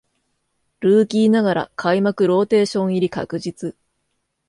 ルーキーながら開幕ローテーション入り確実